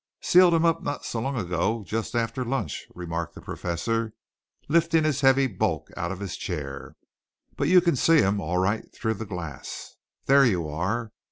"Sealed 'em up not so long ago just after lunch," remarked the Professor, lifting his heavy bulk out of his chair. "But you can see 'em all right through the glass. There you are!"